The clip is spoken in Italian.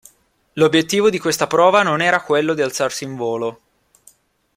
L'obiettivo di questa prova non era quello di alzarsi in volo.